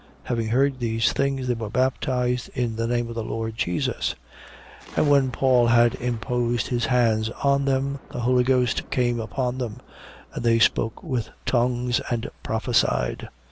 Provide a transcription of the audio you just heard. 19:5. Having heard these things, they were baptized in the name of the Lord Jesus. 19:6. And when Paul had imposed his hands on them, the Holy Ghost came upon them: and they spoke with tongues and prophesied.